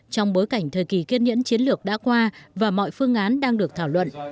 trong bối cảnh thời kỳ kiên nhẫn chiến lược đã qua và mọi phương án đang được thảo luận